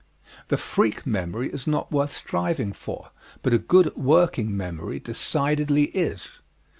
The freak memory is not worth striving for, but a good working memory decidedly is.